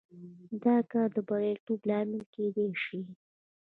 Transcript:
دا کار د بریالیتوب لامل کېدای شي.